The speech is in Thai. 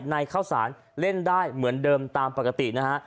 ข้าวสารเล่นได้เหมือนเดิมตามปกตินะฮะ